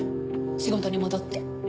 仕事に戻って。